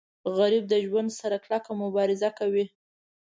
غریب د ژوند سره کلکه مبارزه کوي